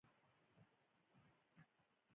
غلام محمدخان او غلام سرور روان شول.